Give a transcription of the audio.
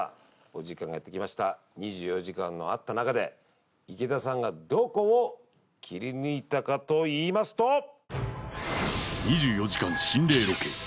お時間がやってきました２４時間あった中で池田さんがどこを切り抜いたかといいますと２４時間心霊ロケ